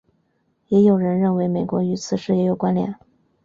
也有人认为美国与此事也有关连。